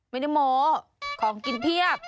มีนิโมะของกินเพียบ